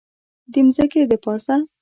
د ځمکې دپاسه